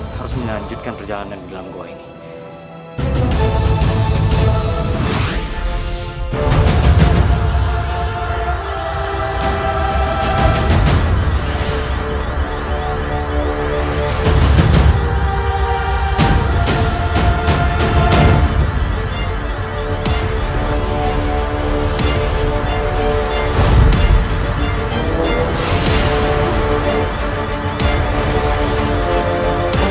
harus menganjutkan perjalanan dalam gua ini